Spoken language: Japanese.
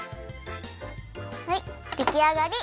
はいできあがり。